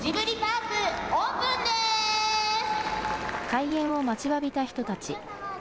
開園を待ちわびた人たち。